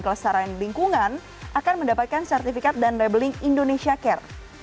kelesaran lingkungan akan mendapatkan sertifikat dan labeling indonesia care